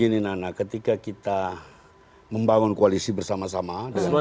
dan juga dengan kualisi bersama sama